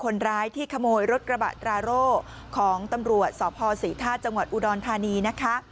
คนร้ายที่ขโมยรถกระบะตราโร่ของตำรวจสพศรีธาตุจังหวัดอุดรธานีนะคะ